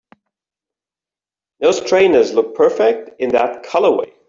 Those trainers look perfect in that colorway!